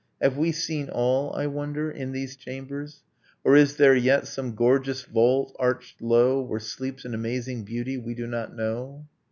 . Have we seen all, I wonder, in these chambers Or is there yet some gorgeous vault, arched low, Where sleeps an amazing beauty we do not know?